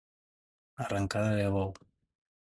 Arrencada de bou.